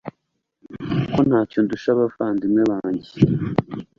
kuko nta cyo ndusha abavandimwe banjye